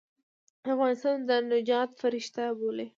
د افغانستان د نجات فرشته بولي.